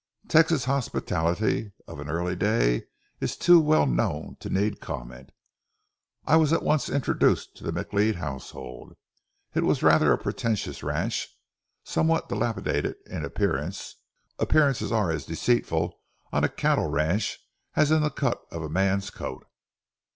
Texas hospitality of an early day is too well known to need comment; I was at once introduced to the McLeod household. It was rather a pretentious ranch, somewhat dilapidated in appearance—appearances are as deceitful on a cattle ranch as in the cut of a man's coat.